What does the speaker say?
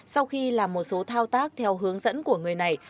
sau khi làm một số thao tác theo hướng dẫn của người này